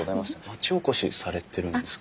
町おこしされてるんですか？